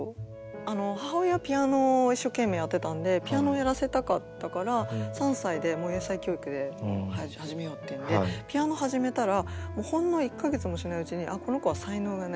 母親はピアノを一生懸命やってたんでピアノをやらせたかったから３歳でもう英才教育で始めようっていうんでピアノ始めたらほんの１か月もしないうちにあっこの子は才能がない。